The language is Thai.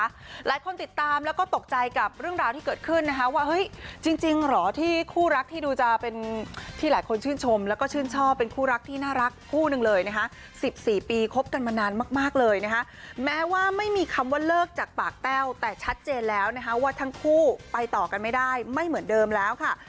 หลายคนติดตามแล้วก็ตกใจกับเรื่องราวที่เกิดขึ้นนะคะว่าเฮ้ยจริงจริงเหรอที่คู่รักที่ดูจะเป็นที่หลายคนชื่นชมแล้วก็ชื่นชอบเป็นคู่รักที่น่ารักคู่หนึ่งเลยนะคะสิบสี่ปีคบกันมานานมากมากเลยนะคะแม้ว่าไม่มีคำว่าเลิกจากปากแต้วแต่ชัดเจนแล้วนะคะว่าทั้งคู่ไปต่อกันไม่ได้ไม่เหมือนเดิมแล้วค่ะ